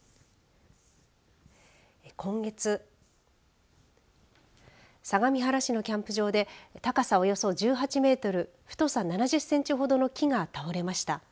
今月相模原市のキャンプ場で高さおよそ１８メートル太さ７０センチほどの木が倒れました。